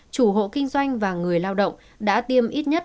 chủ hộ kinh doanh và người lao động đã tiêm ít nhất